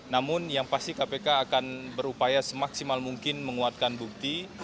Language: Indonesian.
namun yang pasti kpk akan berupaya semaksimal mungkin menguatkan bukti